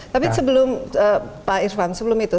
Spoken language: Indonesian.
tapi sebelum pak irfan sebelum itu